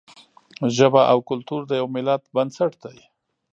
ژبه او کلتور د یوه ملت بنسټ دی.